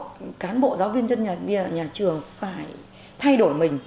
khi mà tự chủ thì buộc cán bộ giáo viên dân nhà trường phải thay đổi mình